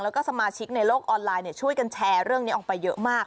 แล้วก็สมาชิกในโลกออนไลน์ช่วยกันแชร์เรื่องนี้ออกไปเยอะมาก